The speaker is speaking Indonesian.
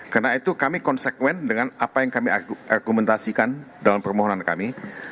karena itu kami konsekuen dengan apa yang kami argumentasikan dalam permohonan kami